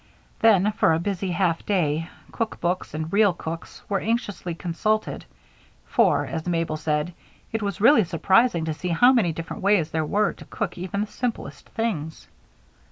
Then, for a busy half day, cook books and real cooks were anxiously consulted; for, as Mabel said, it was really surprising to see how many different ways there were to cook even the simplest things.